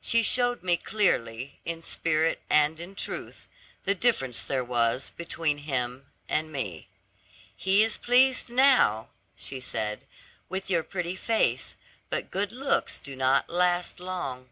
She showed me clearly, in spirit and in truth, the difference there was between him and me. 'He is pleased now,' she said, 'with your pretty face; but good looks do not last long.